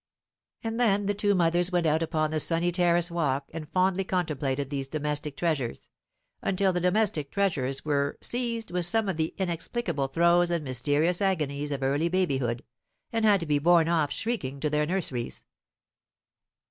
And then the two mothers went out upon the sunny terrace walk and fondly contemplated these domestic treasures, until the domestic treasures were seized with some of the inexplicable throes and mysterious agonies of early babyhood, and had to be borne off shrieking to their nurseries.